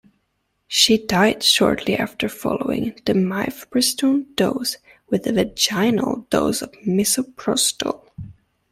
She died shortly after following the mifepristone dose with a vaginal dose of misoprostol.